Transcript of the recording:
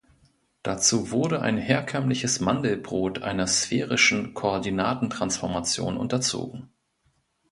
Dazu wurde ein herkömmliches Mandelbrot einer sphärischen Koordinatentransformation unterzogen.